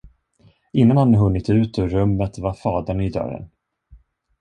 Innan han hunnit ut ur rummet var fadern i dörren.